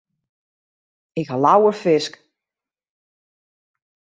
Ik ha leaver fisk.